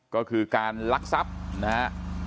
ก็คือการลักทรัพย์นะฮะ